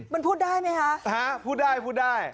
มันพูดได้ไหมฮะ